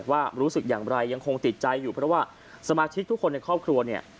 ว่ารู้สึกอย่างไรยังคงติดใจอยู่เพราะว่าสมาชิกทุกคนในครอบครัวเนี่ย